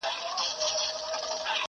لا تور دلته غالب دی سپین میدان ګټلی نه دی,